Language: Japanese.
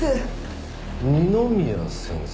二宮先生？